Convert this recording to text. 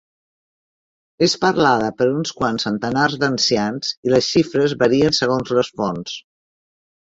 És parlada per uns quants centenars d'ancians i les xifres varien segons les fonts.